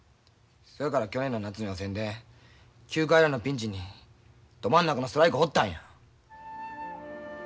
そやから去年の夏の予選で９回裏のピンチにど真ん中のストライク放ったんや。